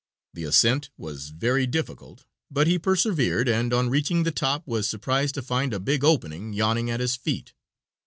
The ascent was very difficult, but he persevered and on reaching the top was surprised to find a big opening yawning at his feet.